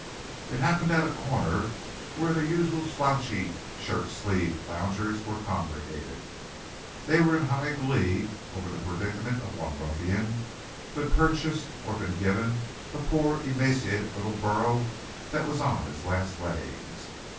It happened at a corner where the usual slouchy, shirt sleeved loungers were congregated. They were in high glee over the predicament of one ruffian who had purchased or been given a poor, emaciated little burro that was on his last legs.